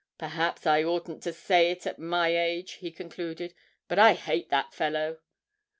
'Perhaps I oughtn't to say it at my age,' he concluded, 'but I hate that fellow!'